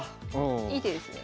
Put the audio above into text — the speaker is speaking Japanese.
いい手ですね。